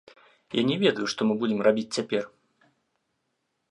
Я не ведаю, што мы будзем рабіць цяпер.